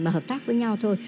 mà hợp tác với nhau thôi